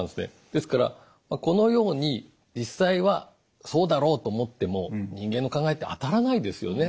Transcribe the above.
ですからこのように実際はそうだろうと思っても人間の考えって当たらないですよね。